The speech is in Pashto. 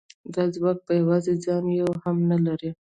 دا ځواک په یوازې ځان یو هم نه لري